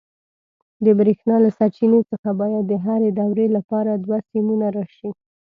د برېښنا له سرچینې څخه باید د هرې دورې لپاره دوه سیمونه راشي.